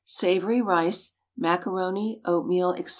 SAVOURY RICE, MACARONI, OATMEAL, &c.